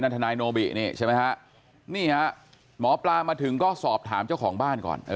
นัทนายโนบิใช่ไหมครับหมอปลามาถึงก็สอบถามเจ้าของบ้านก่อน